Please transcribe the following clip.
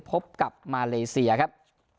พบกับมาเลเซียครับ